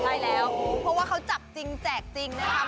ใช่แล้วเพราะว่าเขาจับจริงแจกจริงนะครับ